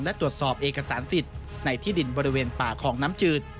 และตรวจสอบเอกสารสิทธิ์ในที่ดินบริเวณป่าคลองน้ำจืด